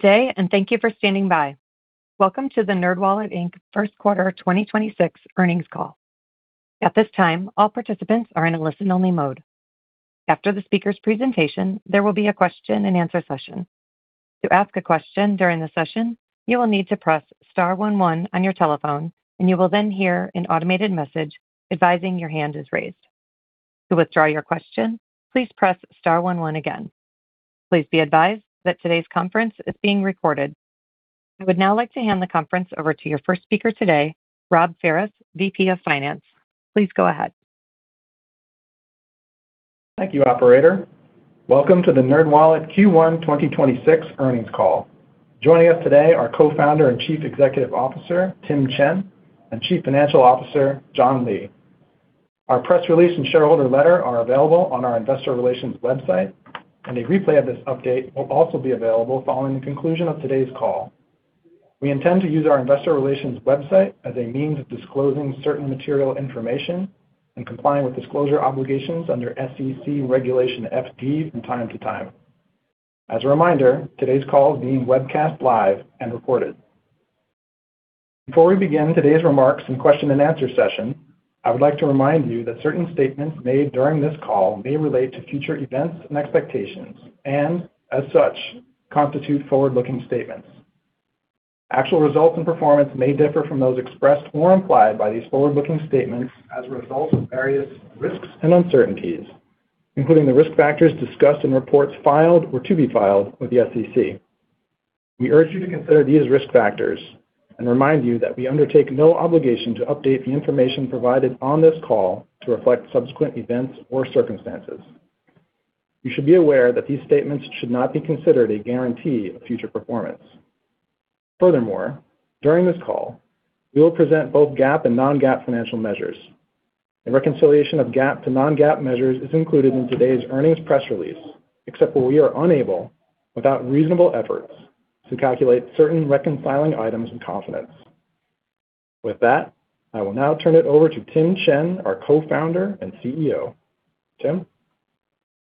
Day. Thank you for standing by. Welcome to the NerdWallet Inc. First Quarter 2026 Earnings Call. At this time, all participants are in a listen-only mode. After the speaker's presentation, there will be a question and answer session. To ask a question during the session, you will need to press star one one on your telephone and you will then hear an automated message advising your hand is raised. To withdraw your question, please press star one one again. Please be advised that today's conference is being recorded. I would now like to hand the conference over to your first speaker today, Robb Ferris, VP of Finance. Please go ahead. Thank you, operator. Welcome to the NerdWallet Q1 2026 earnings call. Joining us today are Co-founder and Chief Executive Officer, Tim Chen, and Chief Financial Officer, John Lee. Our press release and shareholder letter are available on our investor relations website. A replay of this update will also be available following the conclusion of today's call. We intend to use our investor relations website as a means of disclosing certain material information and complying with disclosure obligations under SEC Regulation FD from time to time. As a reminder, today's call is being webcast live and recorded. Before we begin today's remarks and question and answer session, I would like to remind you that certain statements made during this call may relate to future events and expectations, and as such, constitute forward-looking statements. Actual results and performance may differ from those expressed or implied by these forward-looking statements as a result of various risks and uncertainties, including the risk factors discussed in reports filed or to be filed with the SEC. We urge you to consider these risk factors and remind you that we undertake no obligation to update the information provided on this call to reflect subsequent events or circumstances. You should be aware that these statements should not be considered a guarantee of future performance. Furthermore, during this call, we will present both GAAP and non-GAAP financial measures. A reconciliation of GAAP to non-GAAP measures is included in today's earnings press release, except where we are unable, without reasonable efforts, to calculate certain reconciling items with confidence. With that, I will now turn it over to Tim Chen, our Co-Founder and CEO. Tim?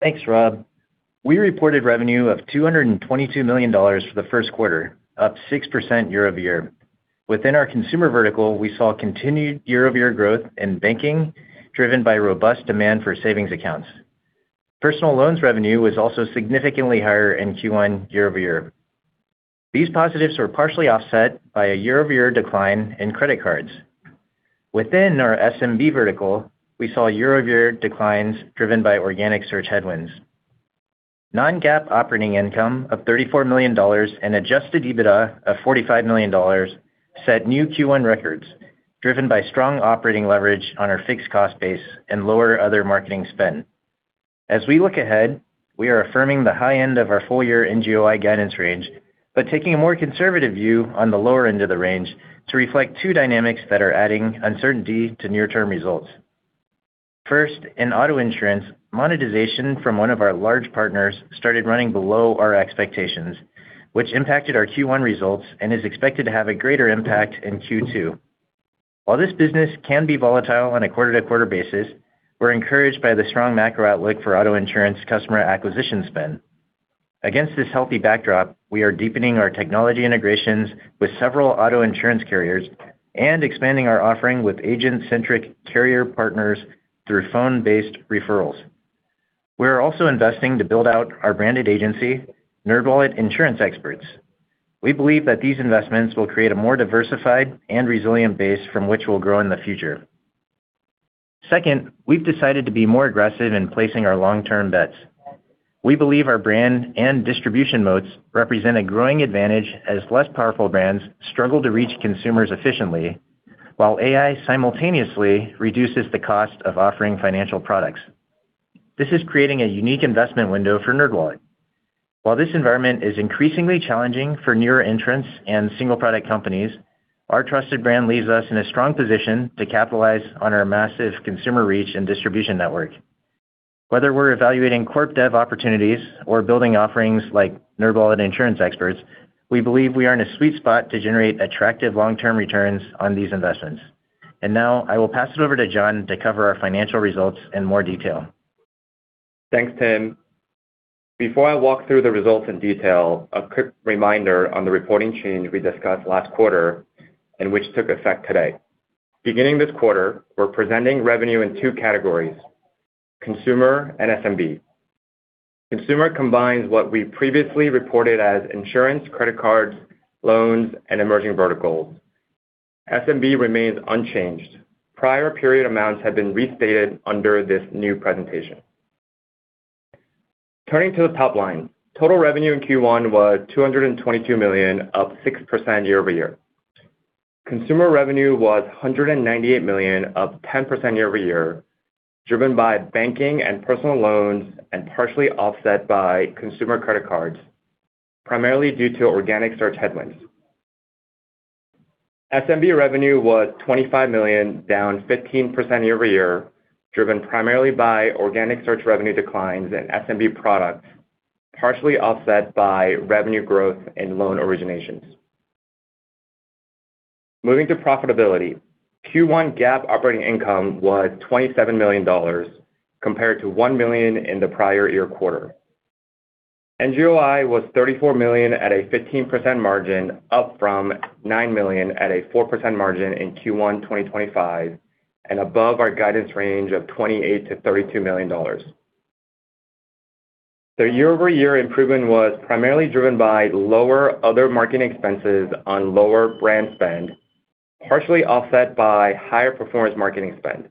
Thanks, Rob. We reported revenue of $222 million for the first quarter, up 6% year-over-year. Within our consumer vertical, we saw continued year-over-year growth in banking, driven by robust demand for savings accounts. Personal loans revenue was also significantly higher in Q1 year-over-year. These positives were partially offset by a year-over-year decline in credit cards. Within our SMB vertical, we saw year-over-year declines driven by organic search headwinds. Non-GAAP operating income of $34 million and adjusted EBITDA of $45 million set new Q1 records, driven by strong operating leverage on our fixed cost base and lower other marketing spend. As we look ahead, we are affirming the high end of our full-year NGOI guidance range, but taking a more conservative view on the lower end of the range to reflect two dynamics that are adding uncertainty to near-term results. First, in auto insurance, monetization from one of our large partners started running below our expectations, which impacted our Q1 results and is expected to have a greater impact in Q2. While this business can be volatile on a quarter-to-quarter basis, we're encouraged by the strong macro outlook for auto insurance customer acquisition spend. Against this healthy backdrop, we are deepening our technology integrations with several auto insurance carriers and expanding our offering with agent-centric carrier partners through phone-based referrals. We are also investing to build out our branded agency, NerdWallet Insurance Experts. We believe that these investments will create a more diversified and resilient base from which we'll grow in the future. Second, we've decided to be more aggressive in placing our long-term bets. We believe our brand and distribution moats represent a growing advantage as less powerful brands struggle to reach consumers efficiently, while AI simultaneously reduces the cost of offering financial products. This is creating a unique investment window for NerdWallet. While this environment is increasingly challenging for newer entrants and single-product companies, our trusted brand leaves us in a strong position to capitalize on our massive consumer reach and distribution network. Whether we're evaluating corp dev opportunities or building offerings like NerdWallet Insurance Experts, we believe we are in a sweet spot to generate attractive long-term returns on these investments. Now I will pass it over to John to cover our financial results in more detail. Thanks, Tim. Before I walk through the results in detail, a quick reminder on the reporting change we discussed last quarter and which took effect today. Beginning this quarter, we're presenting revenue in two categories, consumer and SMB. Consumer combines what we previously reported as insurance, credit cards, loans, and emerging verticals. SMB remains unchanged. Prior period amounts have been restated under this new presentation. Turning to the top line, total revenue in Q1 was $222 million, up 6% year-over-year. Consumer revenue was $198 million, up 10% year-over-year, driven by banking and personal loans and partially offset by consumer credit cards, primarily due to organic search headwinds. SMB revenue was $25 million, down 15% year-over-year, driven primarily by organic search revenue declines in SMB products, partially offset by revenue growth in loan originations. Moving to profitability. Q1 GAAP operating income was $27 million compared to $1 million in the prior-year quarter. NGOI was $34 million at a 15% margin, up from $9 million at a 4% margin in Q1 2025 and above our guidance range of $28 million-$32 million. The year-over-year improvement was primarily driven by lower other marketing expenses on lower brand spend, partially offset by higher performance marketing spend.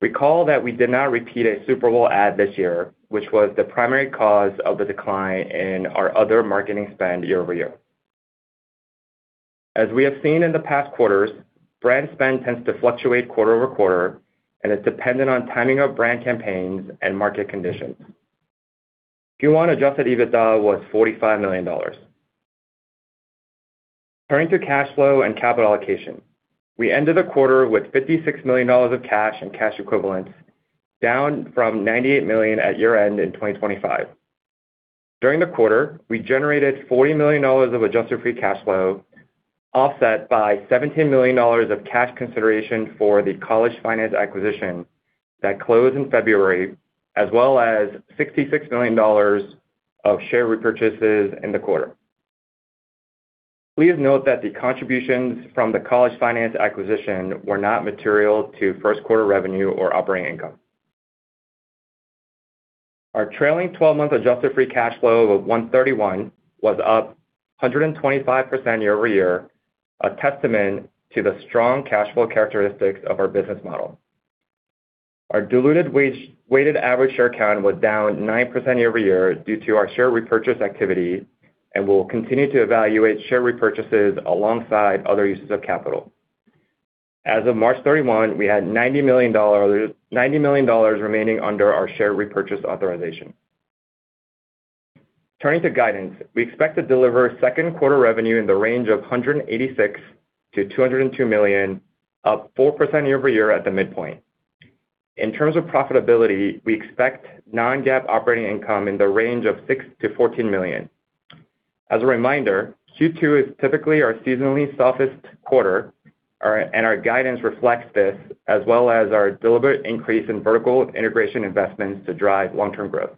Recall that we did not repeat a Super Bowl ad this year, which was the primary cause of the decline in our other marketing spend year-over-year. As we have seen in the past quarters, brand spend tends to fluctuate quarter-over-quarter and is dependent on timing of brand campaigns and market conditions. Q1 adjusted EBITDA was $45 million. Turning to cash flow and capital allocation. We ended the quarter with $56 million of cash and cash equivalents, down from $98 million at year-end in 2025. During the quarter, we generated $40 million of adjusted free cash flow, offset by $17 million of cash consideration for the College Finance acquisition that closed in February, as well as $66 million of share repurchases in the quarter. Please note that the contributions from the College Finance acquisition were not material to first quarter revenue or operating income. Our trailing twelve-month adjusted free cash flow of $131 was up 125% year-over-year, a testament to the strong cash flow characteristics of our business model. Our diluted weighted average share count was down 9% year-over-year due to our share repurchase activity, and we'll continue to evaluate share repurchases alongside other uses of capital. As of March 31, we had $90 million remaining under our share repurchase authorization. Turning to guidance. We expect to deliver second quarter revenue in the range of $186 million-$202 million, up 4% year-over-year at the midpoint. In terms of profitability, we expect Non-GAAP Operating Income in the range of $6 million-$14 million. As a reminder, Q2 is typically our seasonally softest quarter, and our guidance reflects this, as well as our deliberate increase in vertical integration investments to drive long-term growth.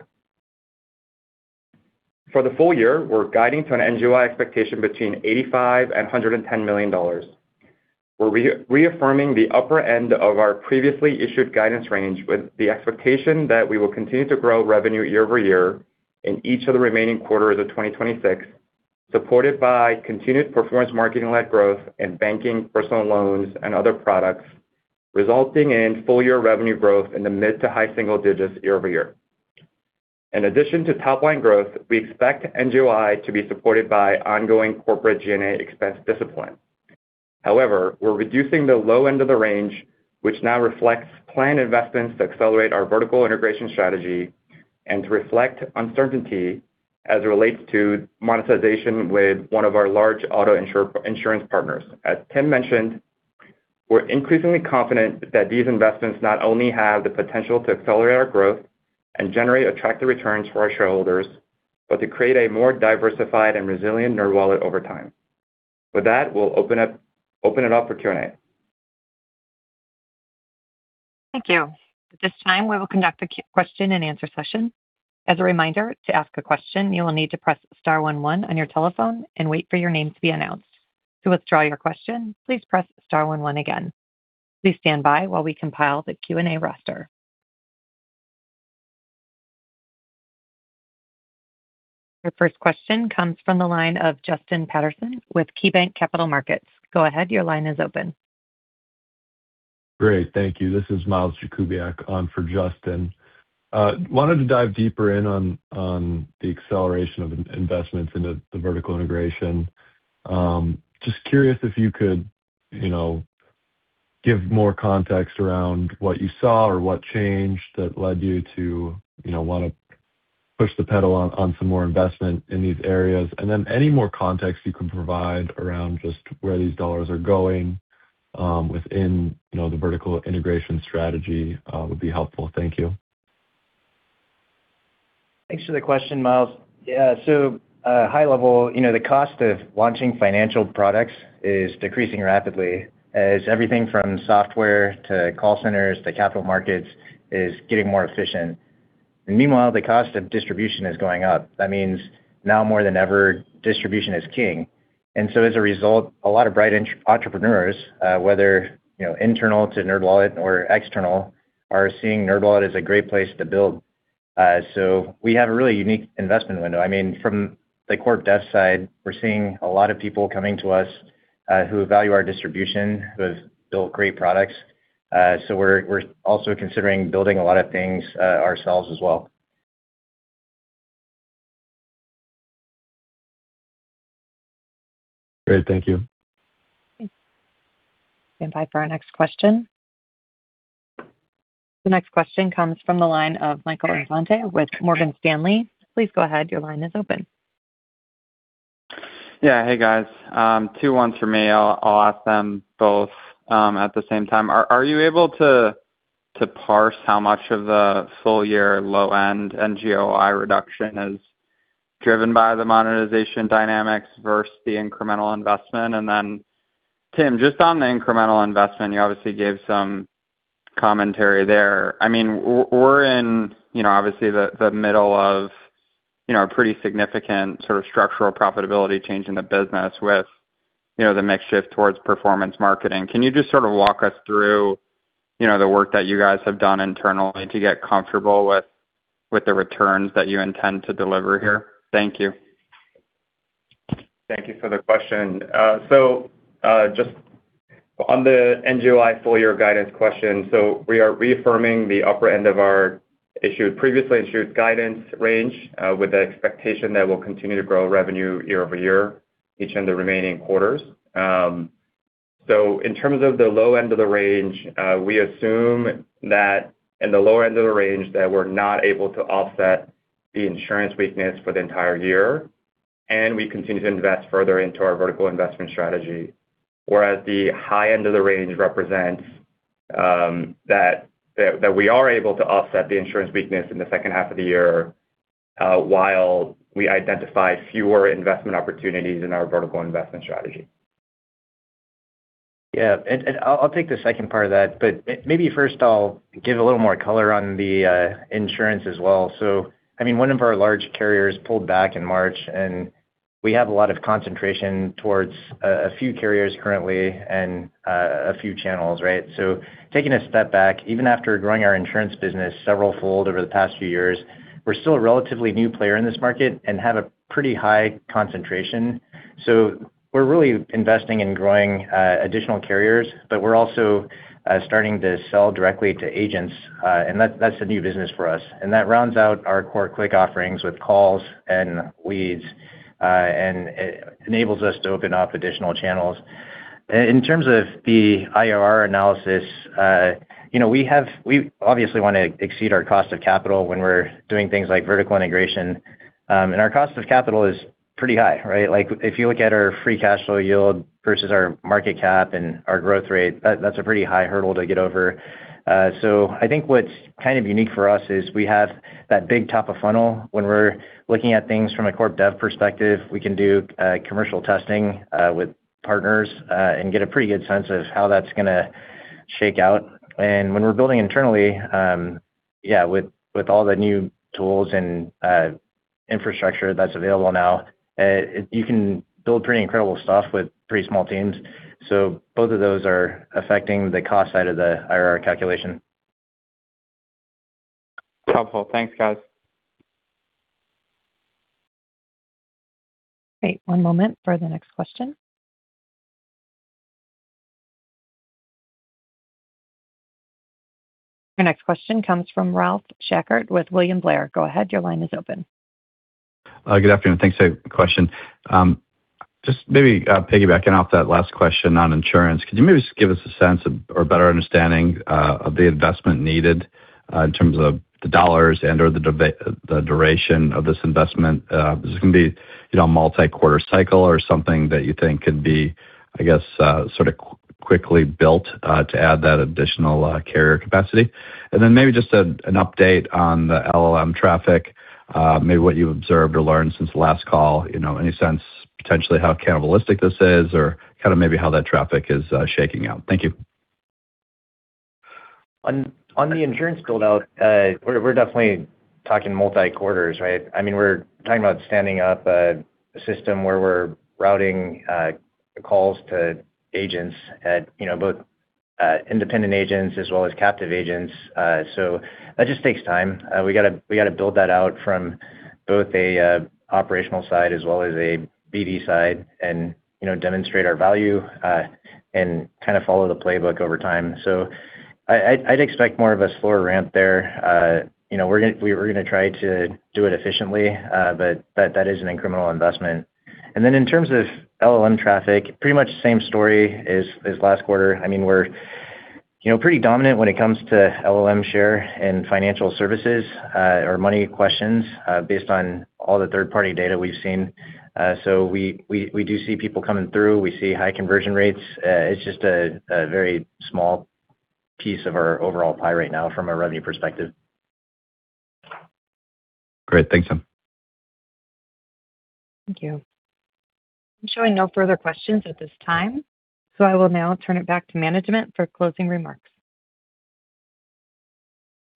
For the full year, we're guiding to an NGOI expectation between $85 million and $110 million. We're reaffirming the upper end of our previously issued guidance range with the expectation that we will continue to grow revenue year-over-year in each of the remaining quarters of 2026, supported by continued performance marketing-led growth and banking, personal loans, and other products, resulting in full year revenue growth in the mid to high single digits year-over-year. In addition to top line growth, we expect NGOI to be supported by ongoing corporate G&A expense discipline. However, we're reducing the low end of the range, which now reflects planned investments to accelerate our vertical integration strategy and to reflect uncertainty as it relates to monetization with one of our large auto insurance partners. As Tim mentioned, we're increasingly confident that these investments not only have the potential to accelerate our growth and generate attractive returns for our shareholders, but to create a more diversified and resilient NerdWallet over time. With that, we'll open it up for Q&A. Thank you. At this time, we will conduct a question-and-answer session. As a reminder, to ask a question, you will need to press star one one on your telephone and wait for your name to be announced. To withdraw your question, please press star one one again. Please stand by while we compile the Q&A roster. Your first question comes from the line of Justin Patterson with KeyBanc Capital Markets. Go ahead, your line is open. Great. Thank you. This is Miles Jakubiak on for Justin. I wanted to dive deeper in on the acceleration of investments into the vertical integration. Just curious if you could, you know, give more context around what you saw or what changed that led you to, you know, wanna push the pedal on some more investment in these areas. Any more context you can provide around just where these dollars are going within, you know, the vertical integration strategy would be helpful. Thank you. Thanks for the question, Miles. Yeah. High level, you know, the cost of launching financial products is decreasing rapidly as everything from software to call centers to capital markets is getting more efficient. Meanwhile, the cost of distribution is going up. That means now more than ever, distribution is king. As a result, a lot of bright entrepreneurs, whether, you know, internal to NerdWallet or external, are seeing NerdWallet as a great place to build. We have a really unique investment window. I mean, from the corp dev side, we're seeing a lot of people coming to us, who value our distribution, who have built great products. We're also considering building a lot of things ourselves as well. Great. Thank you. Standby for our next question. The next question comes from the line of Michael Infante with Morgan Stanley. Please go ahead, your line is open. Yeah. Hey, guys. Two ones for me. I'll ask them both at the same time. Are you able to parse how much of the full year low-end NGOI reduction is driven by the monetization dynamics versus the incremental investment? Then Tim, just on the incremental investment, you obviously gave some commentary there. I mean, we're in, you know, obviously the middle of, you know, a pretty significant sort of structural profitability change in the business with, you know, the mix shift towards performance marketing. Can you just sort of walk us through, you know, the work that you guys have done internally to get comfortable with the returns that you intend to deliver here? Thank you. Thank you for the question. Just on the NGOI full year guidance question, we are reaffirming the upper end of our previously issued guidance range, with the expectation that we'll continue to grow revenue year-over-year, each in the remaining quarters. In terms of the low end of the range, we assume that in the lower end of the range that we're not able to offset the insurance weakness for the entire year, and we continue to invest further into our vertical investment strategy. Whereas the high end of the range represents that we are able to offset the insurance weakness in the second half of the year, while we identify fewer investment opportunities in our vertical investment strategy. Yeah. I'll take the second part of that. Maybe first I'll give a little more color on the insurance as well. I mean, one of our large carriers pulled back in March, and we have a lot of concentration towards a few carriers currently and a few channels, right? Taking a step back, even after growing our insurance business severalfold over the past few years, we're still a relatively new player in this market and have a pretty high concentration. We're really investing in growing additional carriers, but we're also starting to sell directly to agents, and that's a new business for us. That rounds out our core quick offerings with calls and leads, and it enables us to open up additional channels. In terms of the IRR analysis, you know, we obviously wanna exceed our cost of capital when we're doing things like vertical integration. Our cost of capital is pretty high, right? Like, if you look at our free cash flow yield versus our market cap and our growth rate, that's a pretty high hurdle to get over. I think what's kind of unique for us is we have that big top of funnel when we're looking at things from a corp dev perspective. We can do commercial testing with partners and get a pretty good sense of how that's gonna shake out. When we're building internally, yeah, with all the new tools and infrastructure that's available now, you can build pretty incredible stuff with pretty small teams. Both of those are affecting the cost side of the IRR calculation. Helpful. Thanks, guys. Great. One moment for the next question. Your next question comes from Ralph Schackart with William Blair. Go ahead, your line is open. Good afternoon. Thanks. A question, just maybe, piggybacking off that last question on insurance, could you maybe just give us a sense of, or better understanding of the investment needed in terms of the dollars and/or the duration of this investment? Is this gonna be, you know, a multi-quarter cycle or something that you think could be, I guess, sorta quickly built to add that additional carrier capacity? Then maybe just a, an update on the LLM traffic, maybe what you've observed or learned since the last call, you know, any sense potentially how cannibalistic this is or kinda maybe how that traffic is shaking out. Thank you. On the insurance build-out, we're definitely talking multi quarters, right? I mean, we're talking about standing up a system where we're routing calls to agents at, you know, both independent agents as well as captive agents. That just takes time. We gotta build that out from both a operational side as well as a BD side and, you know, demonstrate our value and kinda follow the playbook over time. I'd expect more of a slower ramp there. You know, we're gonna try to do it efficiently, but that is an incremental investment. In terms of LLM traffic, pretty much the same story as last quarter. I mean, we're, you know, pretty dominant when it comes to LLM share and financial services, or money questions, based on all the third-party data we've seen. We do see people coming through. We see high conversion rates. It's just a very small piece of our overall pie right now from a revenue perspective. Great. Thanks, Tim. Thank you. I'm showing no further questions at this time; I will now turn it back to management for closing remarks.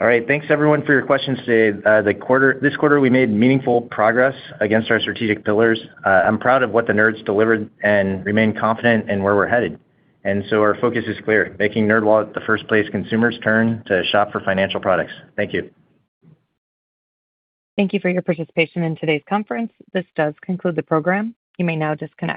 All right. Thanks everyone for your questions today. This quarter we made meaningful progress against our strategic pillars. I'm proud of what the Nerds delivered and remain confident in where we're headed. Our focus is clear: making NerdWallet the first-place consumers turn to shop for financial products. Thank you. Thank you for your participation in today's conference. This does conclude the program. You may now disconnect.